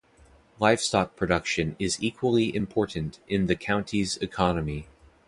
Livestock production is equally important in the county's economy.